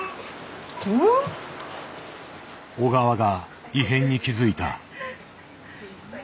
小川が異変に気付いた。